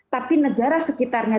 tapi negara sekitarnya